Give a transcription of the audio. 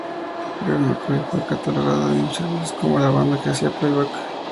Real McCoy fue catalogada muchas veces como una banda que hacía playback.